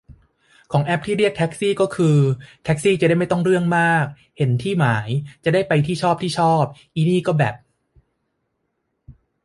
ของแอปเรียกแท็กซี่คือแท็กซี่จะได้ไม่ต้องเรื่องมาก เห็นที่หมาย จะได้ไปที่ชอบที่ชอบ อินี่ก็แบบ